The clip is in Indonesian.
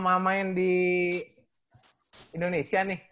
mama main di indonesia nih